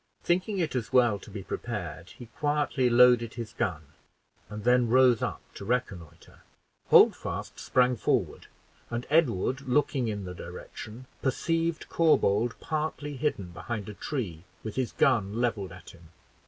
Thinking it as well to be prepared, he quietly loaded his gun, and then rose up to reconnoiter. Holdfast sprung forward, and Edward, looking in the direction, perceived Corbould partly hidden behind a tree, with his gun leveled at him.